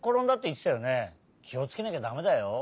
きをつけなきゃだめだよ。